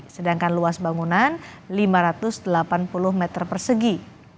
sedangkan luas bangunan lima ratus delapan puluh meter persegi